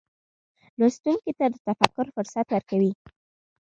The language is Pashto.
لوستونکي ته د تفکر فرصت ورکوي.